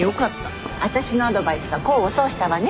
私のアドバイスが功を奏したわね。